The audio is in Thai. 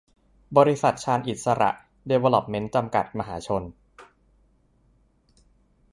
บริษัท ชาญอิสสระ ดีเวล็อปเมนท์ จำกัด มหาชน